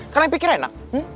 kalian pikir enak hmm